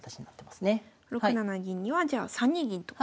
６七銀にはじゃあ３二銀と。